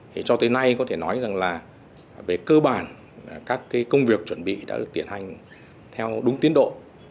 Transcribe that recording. thì cho tới nay có thể nói rằng là về cơ bản các công việc chuẩn bị đã được tiến hành theo đúng tiến độ